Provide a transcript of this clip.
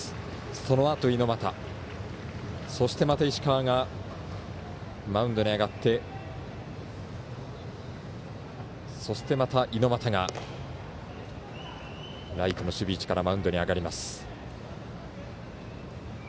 そのあと猪俣、そしてまた石川がマウンドに上がってそして、また猪俣がライトの守備位置からマウンドに上がります。